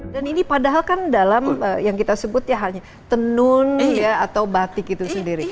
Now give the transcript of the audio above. dan ini padahal kan dalam yang kita sebut ya hanya tenun atau batik itu sendiri